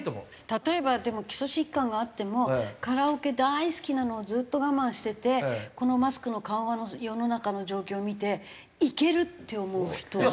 例えばでも基礎疾患があってもカラオケ大好きなのをずっと我慢しててこのマスクの緩和の世の中の状況を見ていけるって思う人は。